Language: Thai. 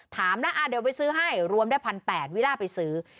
ถามนะอ่าเดี๋ยวไปซื้อให้รวมได้พันแปดวิราชไปซื้อ